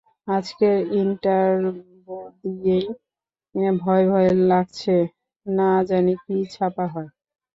আজকের ইন্টারভ্যু দিয়েই তাঁর ভয়ভয় লাগছে, না-জানি কী ছাপা হয়!